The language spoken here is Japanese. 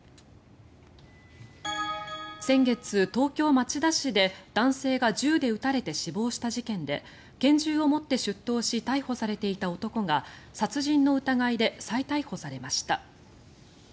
先月、東京・町田市で男性が銃で撃たれて死亡した事件で拳銃を持って出頭し逮捕されていた男が殺人の疑いで再逮捕されました。